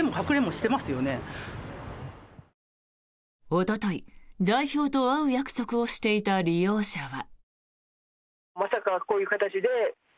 おととい、代表と会う約束をしていた利用者は。